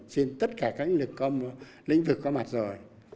trên tất cả các lĩnh vực có mặt rồi